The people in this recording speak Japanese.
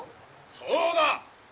そうだ。